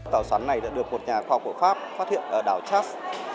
tàu xoắn này đã được một nhà kho cổ pháp phát hiện ở đảo charles